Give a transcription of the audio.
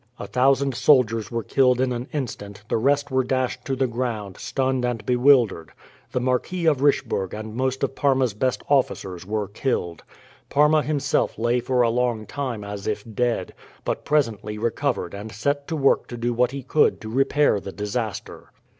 A thousand soldiers were killed in an instant, the rest were dashed to the ground, stunned and bewildered. The Marquis of Richebourg and most of Parma's best officers were killed. Parma himself lay for a long time as if dead, but presently recovered and set to work to do what he could to repair the disaster.